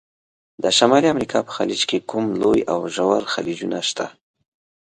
د شمالي امریکا په خلیج کې کوم لوی او ژور خلیجونه شته؟